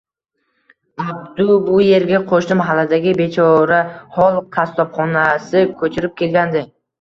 Abdu bu erga qo`shni mahalladagi bechorahol qassobxonasi ko`chirib kelgandi